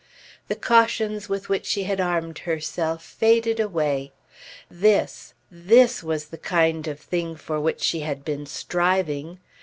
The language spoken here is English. The cautions with which she had armed herself faded away. This, this was the kind of thing for which she had been striving.